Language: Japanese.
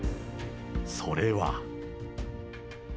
それは。